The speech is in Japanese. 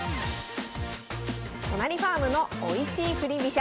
都成ファームのおいしい振り飛車。